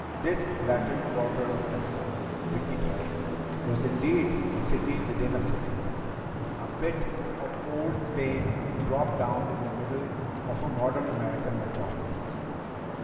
This Latin Quarter of Tampa, Vicki thought, was indeed a city within a city, a bit of old Spain dropped down in the middle of a modern American metropolis.